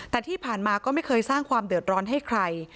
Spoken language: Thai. แต่ที่ผ่านมาก็ไม่เคยสร้างความเดือดร้อนให้ใคร